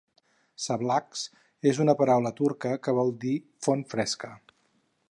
"Sablax" és una paraula turca que vol dir "font fresca".